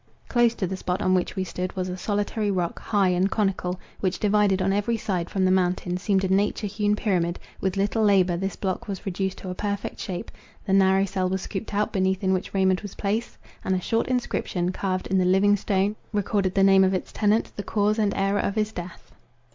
Close to the spot on which we stood, was a solitary rock, high and conical, which, divided on every side from the mountain, seemed a nature hewn pyramid; with little labour this block was reduced to a perfect shape; the narrow cell was scooped out beneath in which Raymond was placed, and a short inscription, carved in the living stone, recorded the name of its tenant, the cause and aera of his death.